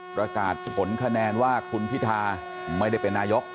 ประกาศผลคะแนนว่าคุณพิธาไม่ได้เป็นนายก